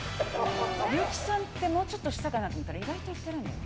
優木さんってもうちょっと下かなと思ったら、意外といってんのよね。